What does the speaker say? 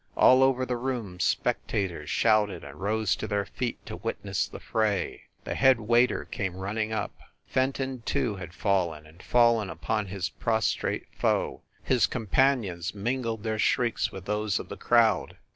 All over the room spectators shouted and rose to their feet to witness the fray. The head waiter came running up. Fenton, too, had fallen, and fallen upon his prostrate foe. His companions mingled their shrieks with those of the crowd.